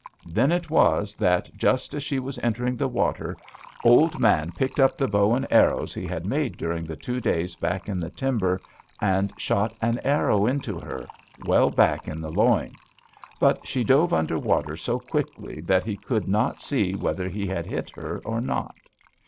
Then it was that, just as she was entering the water, Old Man picked up the bow and arrows he had made during the two days back in the timber and shot an arrow into her, well back in the loin; but she dove under water so quickly that he could not see whether he had hit her or not.